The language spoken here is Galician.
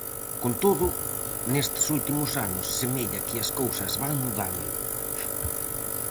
Con todo, nestes últimos anos semella que as cousas van mudando.